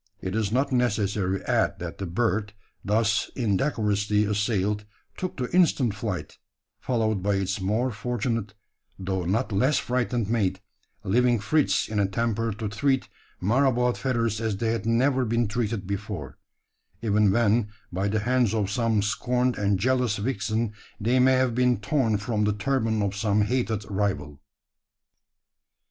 It is not necessary to add that the bird, thus indecorously assailed, took to instant flight, followed by its more fortunate though not less frightened mate leaving Fritz in a temper to treat Marabout feathers as they had never been treated before even when by the hands of some scorned and jealous vixen they may have been torn from the turban of some hated rival!